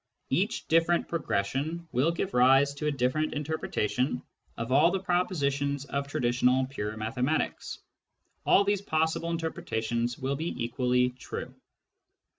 Each different progression will give rise to a different interpretation of all the propositions of traditional pure mathematics ; all these possible interpretations will be equally true.